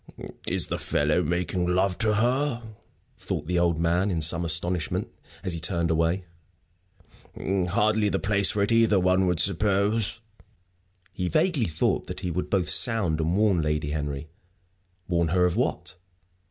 "Is the fellow making love to her?" thought the old man, in some astonishment, as he turned away. "Hardly the place for it either, one would suppose." He vaguely thought that he would both sound and warn Lady Henry. Warn her of what?